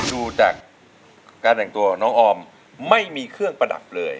ดูจากการแต่งตัวน้องออมไม่มีเครื่องประดับเลย